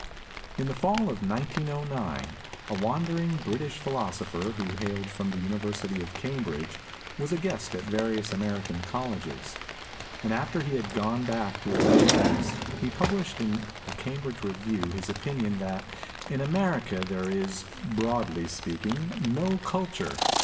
In the fall of 1909 a wandering British phi losopher, who hailed from the University of Cambridge, was a guest at various American colleges; and after he had gone back to his own place he published in a Cambridge review his opinion that "in America there is, broadly speaking, no culture.